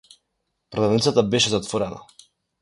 Продавницата беше затворена.